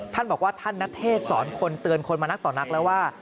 ท่านบอกว่าท่านณเทศสอนคนเตือนคนมานักต่อนักแล้วว่า